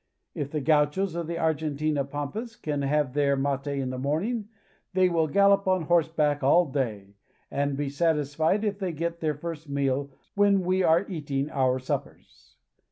If the gauchos of the Argentina pampas can have their mate in the morning they will gallop on horse back all day, and be satisfied if they get their first meal when we are eating our suppers.